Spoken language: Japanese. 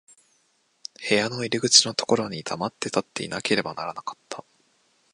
部屋の入口のところに黙って立っていなければならなかった。